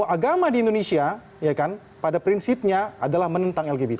agama di indonesia pada prinsipnya adalah menentang lgbt